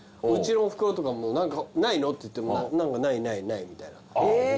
うちのおふくろとか「何かないの？」って言っても「ないないない」みたいな。